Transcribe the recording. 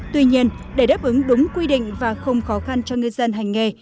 tuy nhiên để đáp ứng đúng quy định và không khó khăn cho ngư dân hành nghề